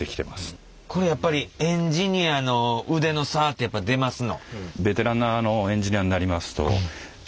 これやっぱりエンジニアの腕の差って出ますの？